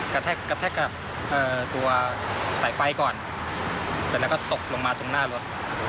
กระแทกกับตัวสายไฟก่อนเสร็จแล้วก็ตกลงมาตรงหน้ารถ